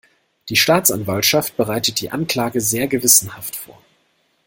Die Staatsanwaltschaft bereitet die Anklage sehr gewissenhaft vor.